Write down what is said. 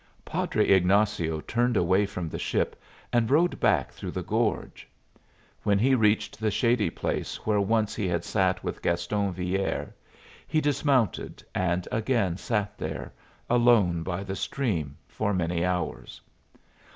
Padre Ignazio turned away from the ship and rode back through the gorge. When he reached the shady place where once he had sat with Gaston Villere, he dismounted and again sat there, alone by the stream, for many hours.